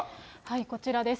こちらです。